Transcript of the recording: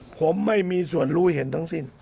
ผมไม่มีส่วนรู้เห็นทั้งสิ้น